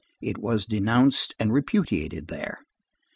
It was denounced and repudiated there.